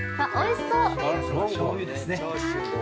◆しょうゆですね。